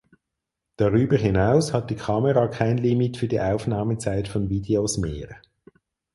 Darüber hinaus hat die Kamera kein Limit für die Aufnahmezeit von Videos mehr.